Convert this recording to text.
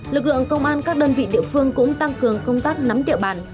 lực lượng công an các đơn vị địa phương cũng tăng cường công tác nắm địa bàn